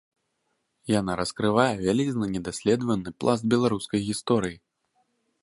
Яна раскрывае вялізны недаследаваны пласт беларускай гісторыі.